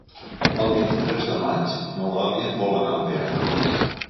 El vint-i-tres de maig n'Eulàlia vol anar al teatre.